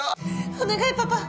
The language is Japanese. お願いパパ！